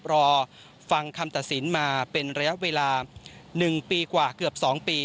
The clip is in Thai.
รอฟังคำตัดสินมาเป็นระยะเวลา๑ปีกว่าเกือบ๒ปี